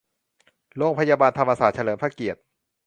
โรงพยาบาลธรรมศาสตร์เฉลิมพระเกียรติ